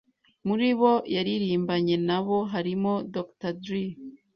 Mu bo yaririmbanye na bo harimo Dr. Dre